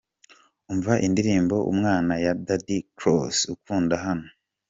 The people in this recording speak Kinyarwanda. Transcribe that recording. Umva indirimbo Umwana ya Dada Cross ukanda hano.